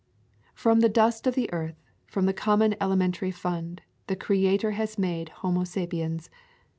From the dust of the earth, from the common elementary fund, the Creator has made Homo sapiens.